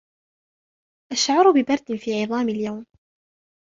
أشعر ببرد في عظامي اليوم.